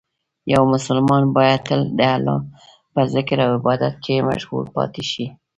یو مسلمان باید تل د الله په ذکر او عبادت کې مشغول پاتې شي.